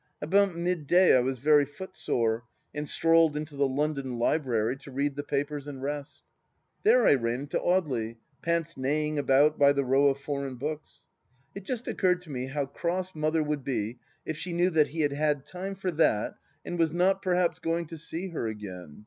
About midday I was very footsore, and strolled into the London Library to read the papers and rest. There I ran into Audely, pince nez ing about by the row of foreign books. It just occurred to me how cross Mother would be if she knew that he had had time for that and was not perhaps going to see her again.